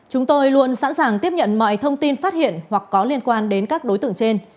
chúng tôi luôn sẵn sàng tiếp nhận mọi thông tin phát hiện hoặc có liên quan đến các đối tượng trên